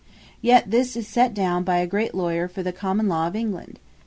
Yet this is set down by a great Lawyer for the common Law of England.